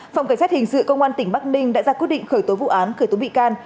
phòng cảnh sát hình sự công an tỉnh bắc ninh đã ra quyết định khởi tố vụ án khởi tố bị can